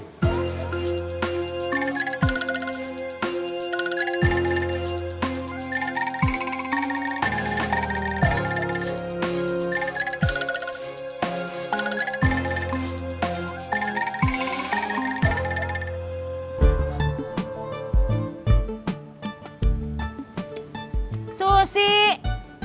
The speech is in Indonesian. pindah ke opos samping